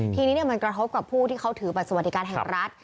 ทีนี้มันกระทบกับผู้ที่เขาถือบัตรสวัสดิการแห่งรัฐ